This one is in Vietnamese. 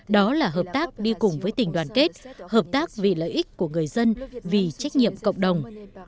đó là hợp tác đi cùng với tình đoàn kết hợp tác vì lợi ích của người dân vì trách nhiệm cộng đồng